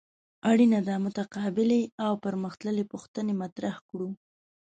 اړینه ده متقابلې او پرمخ تللې پوښتنې مطرح کړو.